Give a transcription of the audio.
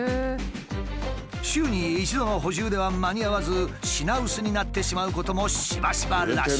週に一度の補充では間に合わず品薄になってしまうこともしばしばらしい。